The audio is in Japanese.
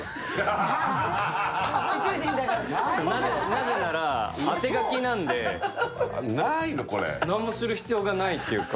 なぜなら、あてがきなので、何もする必要がないっていうか。